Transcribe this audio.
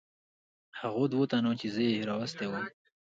هغو دوو تنو چې زه یې راوستی ووم.